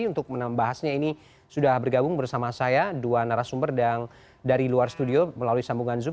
untuk menambahnya ini sudah bergabung bersama saya dua narasumber dari luar studio melalui sambungan zoom